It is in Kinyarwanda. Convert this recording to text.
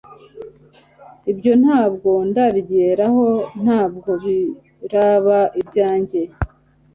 ibyo ntabwo ndabigeraho ntabwo biraba ibyanjye